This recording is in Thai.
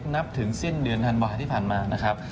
นับถึงสิ้นเดือนธันวาที่ผ่านมานะครับ